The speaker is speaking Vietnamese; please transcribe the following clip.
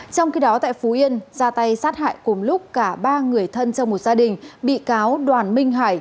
trong khi đó tại phú yên ra tay sát hại cùng lúc cả ba người thân trong một gia đình bị cáo đoàn minh hải